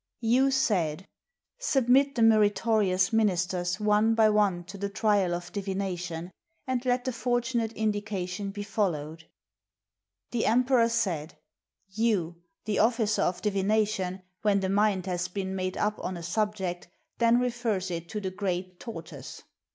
Yu said, " Submit the meritorious ministers one by one to the trial of divination, and let the fortunate indi cation be followed." The emperor said, " Yu, the officer of divination, when the mind has been made up on a subject, then refers it to the great tortoise.